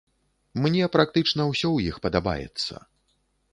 Мне практычна ўсё ў іх падабаецца.